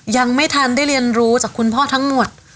ยังไม่ทันได้เรียนรู้จากคุณพ่อทั้งหมด